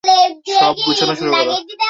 সব গোছানো শুরু কর।